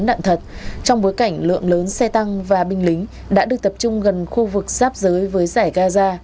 đạn thật trong bối cảnh lượng lớn xe tăng và binh lính đã được tập trung gần khu vực giáp giới với giải gaza